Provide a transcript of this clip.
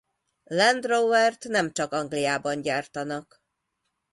Land Rovert nem csak Angliában gyártanak.